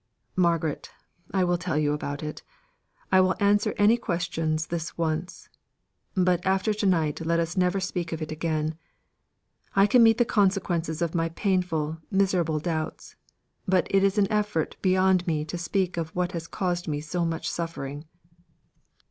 Margaret, I will tell you about it. I will answer any questions this once, but after to night let us never speak of it again. I can meet the consequences of my painful, miserable doubts; but it is an effort beyond me to speak of what has caused me so much suffering."